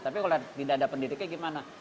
tapi kalau tidak ada pendidiknya gimana